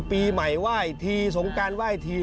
ปีใหม่ไหว้ทีสงการไหว้ที